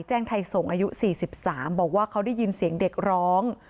แจ้งไทยส่งอายุ๔๓บอกว่าเขาได้ยินเสียงเด็กร้อง